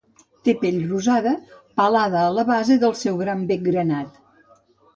Té pell rosa pelada a la base del seu gran bec granat.